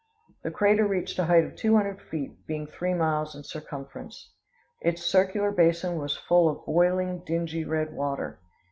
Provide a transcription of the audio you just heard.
The crater reached a height of two hundred feet, being three miles in circumference. Its circular basin was full of boiling, dingy, red water.